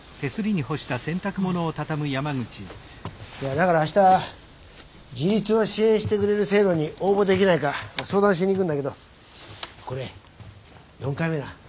だから明日自立を支援してくれる制度に応募できないか相談しに行くんだけどこれ４回目な。